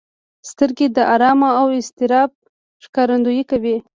سترګې د ارام او اضطراب ښکارندويي کوي